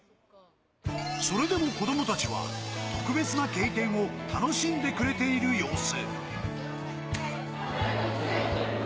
それでも子供たちは特別な経験を楽しんでくれている様子。